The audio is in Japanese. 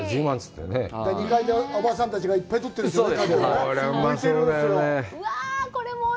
２階でおばさんたちがいっぱい取ってるんですよね。